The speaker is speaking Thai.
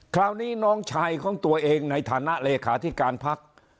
คราวนี้น้องชายของตัวเองในฐานะเลขาธิการพัก